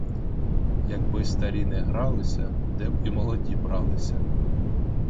Якби старі не гралися, де б і молоді бралися!